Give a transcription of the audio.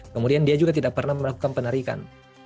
kemudian dia juga tidak pernah melakukan penarikan